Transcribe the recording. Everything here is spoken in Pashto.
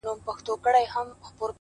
نندارې ته د څپو او د موجونو!